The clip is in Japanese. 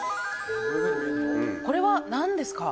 これは何ですか？